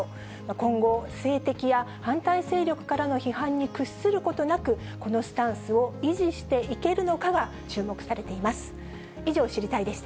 今後、政敵や反対勢力からの批判に屈することなく、このスタンスを維持していけるのかかが注目されています。